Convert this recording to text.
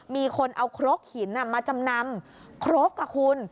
มีคนเอาครกหินมาจำนำครกค่ะคุณ